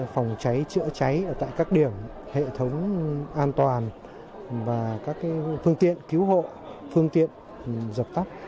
phòng cháy chữa cháy tại các điểm hệ thống an toàn và các phương tiện cứu hộ phương tiện dập tắt